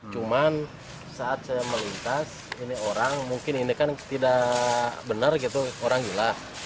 cuman saat saya melintas ini orang mungkin ini kan tidak benar gitu orang gila